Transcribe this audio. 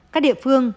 các địa phương